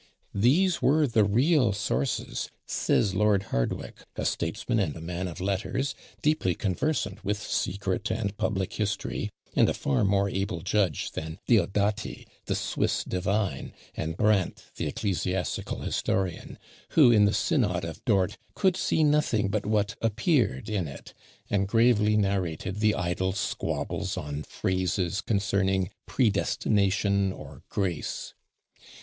"These were the real sources," says Lord Hardwicke, a statesman and a man of letters, deeply conversant with secret and public history, and a far more able judge than Diodati the Swiss divine, and Brandt the ecclesiastical historian, who in the synod of Dort could see nothing but what appeared in it, and gravely narrated the idle squabbles on phrases concerning predestination or grace.